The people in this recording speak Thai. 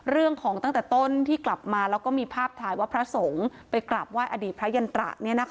ตั้งแต่ต้นที่กลับมาแล้วก็มีภาพถ่ายว่าพระสงฆ์ไปกราบไหว้อดีตพระยันตระ